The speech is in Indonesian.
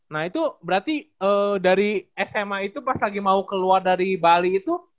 nah itu berarti dari sma itu pas lagi mau keluar dari bali itu